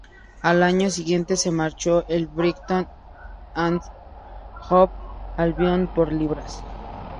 Al año siguiente se marchó al Brighton and Hove Albion por libras.